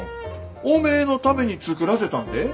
おめえのために作らせたんでえ。